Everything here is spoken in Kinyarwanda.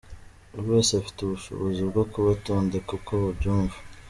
Buri wese afite ubushobozi bwo kubatondeka uko abyumva.